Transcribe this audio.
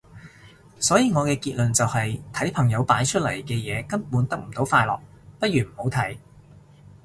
所以我嘅結論就係睇朋友擺出嚟嘅嘢根本得唔到快樂，不如唔好睇